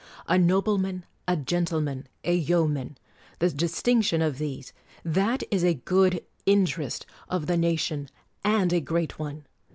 A nobleman, a gentleman, a yeoman; the distinction of these: that is a good interest of the nation, and a great one